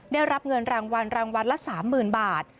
ได้รับเงินรางวัลรางวัลละ๓๐๐๐บาท